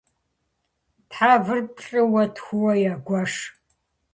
Тхьэвыр плӏыуэ-тхууэ ягуэш.